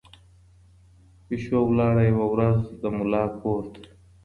پشو ولاړه یوه ورځ د ملا کورته